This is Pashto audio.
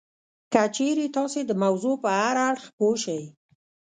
که چېرې تاسې د موضوع په هر اړخ پوه شئ